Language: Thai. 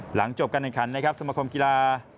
หลังจบการแข่งขันในสมาคมกีฬา